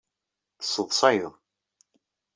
Tesseḍṣayeḍ.